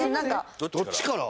どっちから？